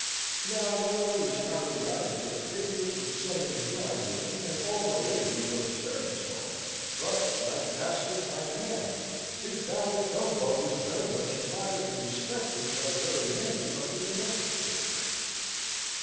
Now, not only was Harry Warrington a favourite with some in the drawing room, and all the ladies of the servants' hall, but, like master like man, his valet Gumbo was very much admired and respected by very many of the domestic circle.